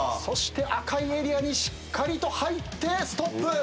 そして赤いエリアにしっかりと入ってストップ。